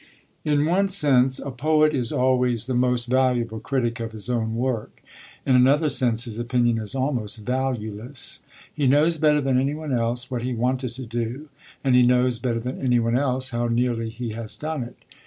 In one sense a poet is always the most valuable critic of his own work; in another sense his opinion is almost valueless. He knows, better than any one else, what he wanted to do, and he knows, better than any one else, how nearly he has done it.